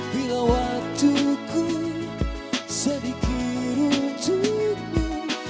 bila waktuku sedikit untukmu